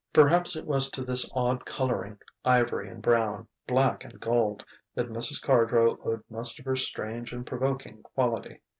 Perhaps it was to this odd colouring ivory and brown, black and gold that Mrs. Cardrow owed most of her strange and provoking quality.